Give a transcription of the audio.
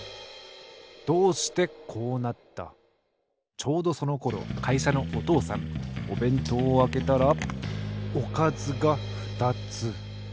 ちょうどそのころかいしゃのお父さんおべんとうをあけたらおかずがふたつ。